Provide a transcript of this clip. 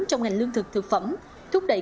trong ngành lương thực thực phẩm thúc đẩy